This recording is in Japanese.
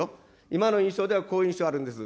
今の印象ではこういう印象あるんです。